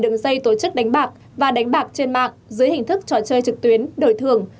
đường dây tổ chức đánh bạc và đánh bạc trên mạng dưới hình thức trò chơi trực tuyến đổi thường